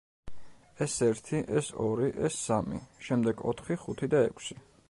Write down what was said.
ეს ერთი, ეს ორი, ეს სამი; შემდეგ ოთხი, ხუთი და ექვსი.